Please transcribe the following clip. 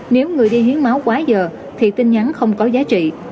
nếu người đi hiến máu quá giờ thì tin nhắn không có giá trị